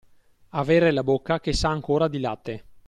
Avere la bocca che sa ancora di latte.